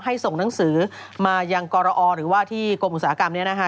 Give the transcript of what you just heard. ส่งหนังสือมายังกรอหรือว่าที่กรมอุตสาหกรรมนี้นะคะ